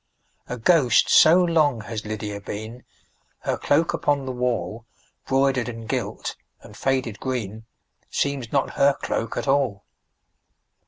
A ghost so long has Lydia been, Her cloak upon the wall, Broidered, and gilt, and faded green, Seems not her cloak at all.